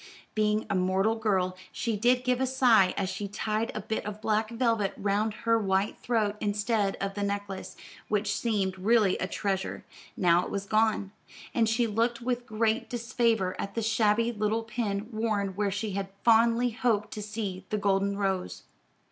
Being a mortal girl she did give a sigh as she tied a bit of black velvet round her white throat, instead of the necklace, which seemed really a treasure, now it was gone; and she looked with great disfavor at the shabby little pin, worn where she had fondly hoped to see the golden rose.